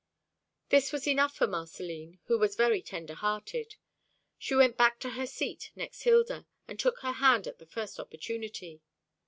This was enough for Marcelline, who was very tender hearted. She went back to her seat next Hilda, and took her hand at the first opportunity.